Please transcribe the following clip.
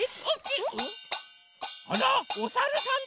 あらおさるさんだ！